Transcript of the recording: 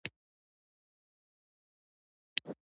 د بوټانو چرم له کومه کیږي؟